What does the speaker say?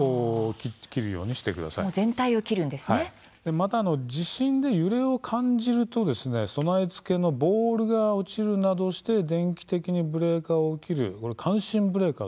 また地震で揺れを感じると備え付けのボールが落ちて自動的にブレーカーを切る感震ブレーカー